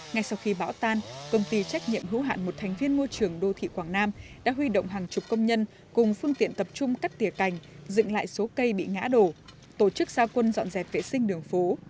ngay sau khi bão tan công ty trách nhiệm hữu hạn một thành viên môi trường đô thị quảng nam đã huy động hàng chục công nhân cùng phương tiện tập trung cắt tỉa cành dựng lại số cây bị ngã đổ tổ chức gia quân dọn dẹp vệ sinh đường phố